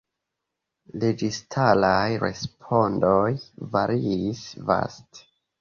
Registaraj respondoj variis vaste.